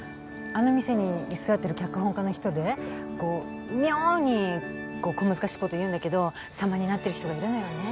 あの店に居座ってる脚本家の人でこう妙に小難しいこと言うんだけど様になってる人がいるのよね。